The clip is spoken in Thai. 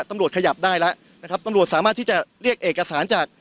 ตำรวจขยับได้แล้วนะครับตำรวจสามารถที่จะเรียกเอกสารจาก